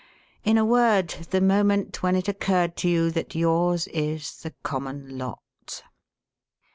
In a word, the moment when it occurred to you that yours is 'the common lot.'